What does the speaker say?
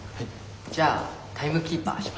じゃあタイムキーパーします。